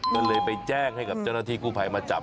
ก็เลยไปแจ้งให้กับเจ้าหน้าที่กู้ภัยมาจับ